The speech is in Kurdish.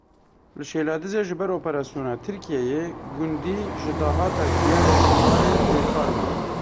Li Şêladizê ji ber operasyona Tirkiyeyê gundî ji dahata giyayên biharê bêpar man.